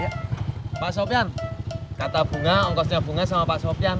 ya pak sofyan kata bunga ongkosnya bunga sama pak sofyan